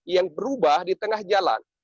yang berubah di tengah jalan